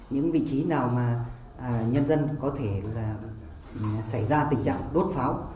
những vị trí nào mà nhân dân có thể là xảy ra tình trạng đốt pháo